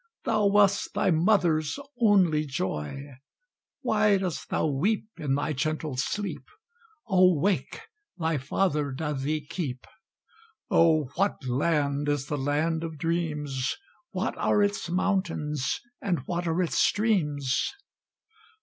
Thou wast thy mother's only joy; Why dost thou weep in thy gentle sleep? O wake! thy father doth thee keep. O what land is the land of dreams? What are its mountains and what are its streams?"